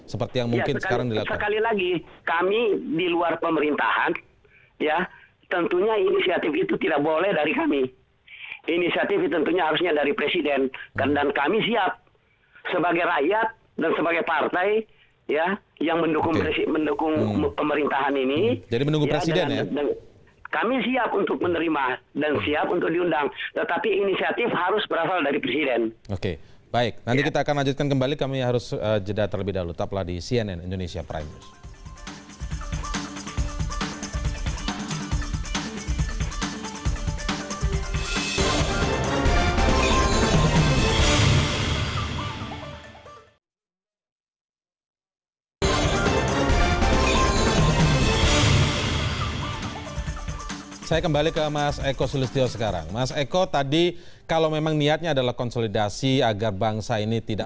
seperti yang mungkin sekarang dilakukan